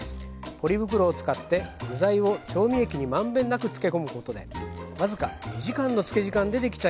ポリ袋を使って具材を調味液に満遍なく漬け込むことで僅か２時間の漬け時間でできちゃいますよ。